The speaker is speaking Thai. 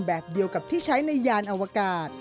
แบบเดียวกับที่ใช้ในยานอวกาศ